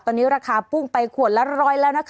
ตอนนี้ราคาพุ่งไปขวดละร้อยแล้วนะคะ